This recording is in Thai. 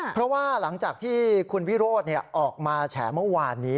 เพราะว่าหลังจากที่คุณวิโรธออกมาแฉเมื่อวานนี้